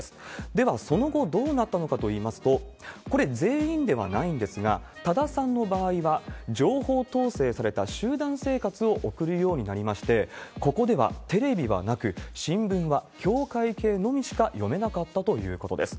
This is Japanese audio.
では、その後どうなったのかといいますと、これ、全員ではないんですが、多田さんの場合は、情報統制された集団生活を送るようになりまして、ここではテレビはなく、新聞は教会系のみしか読めなかったということです。